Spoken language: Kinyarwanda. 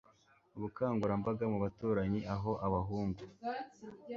ubukangurambaga mu baturanyi aho abahungu